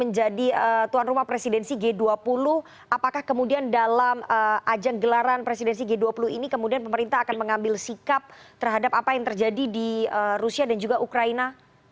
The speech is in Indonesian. menjadi tuan rumah presidensi g dua puluh apakah kemudian dalam ajang gelaran presidensi g dua puluh ini kemudian pemerintah akan mengambil sikap terhadap apa yang terjadi di rusia dan juga ukraina